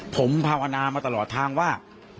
ผมเผาอาณามาตลอดทางว่า